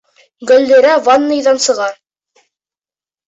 Гөллирә ванныйҙан сыға.